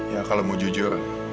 ya kalau mau jujur